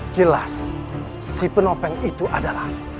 jelas si penopeng itu adalah